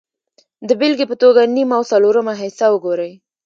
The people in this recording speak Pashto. د بېلګې په توګه نیم او څلورمه حصه وګورئ